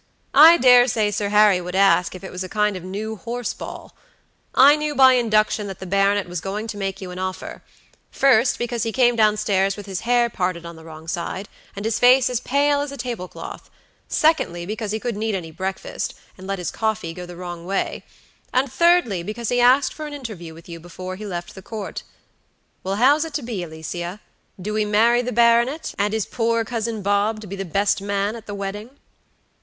I dare say Sir Harry would ask if it was a new kind of horse ball. I knew by induction that the baronet was going to make you an offer; first, because he came downstairs with his hair parted on the wrong side, and his face as pale as a tablecloth; secondly, because he couldn't eat any breakfast, and let his coffee go the wrong way; and, thirdly, because he asked for an interview with you before he left the Court. Well, how's it to be, Alicia? Do we marry the baronet, and is poor Cousin Bob to be the best man at the wedding?"